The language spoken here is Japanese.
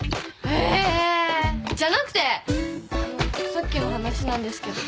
へえじゃなくてあのさっきの話なんですけど。